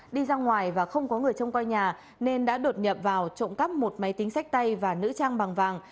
đi ra ngoài và không có người trông coi nhà nên đã đột nhập vào trộm cắp một máy tính sách tay và nữ trang bằng vàng